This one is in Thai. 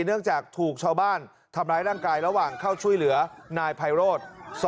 เนื่องจากถูกชาวบ้านทำร้ายร่างกายระหว่างเข้าช่วยเหลือนายไพโรธ